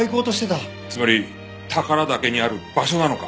つまり宝良岳にある場所なのか？